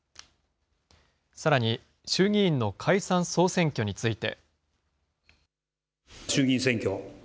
さらに、衆議院の解散・総選挙について。